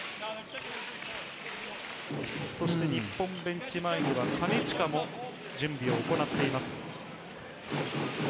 日本ベンチ前には金近も準備を行っています。